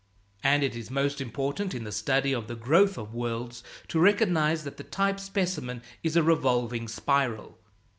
And it is most important in the study of the growth of worlds, to recognize that the type specimen is a revolving spiral.